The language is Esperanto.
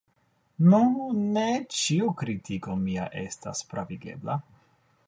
Nu, ne ĉiu kritiko mia estas pravigebla.